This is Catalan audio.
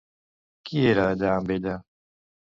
Qui era allà amb ella?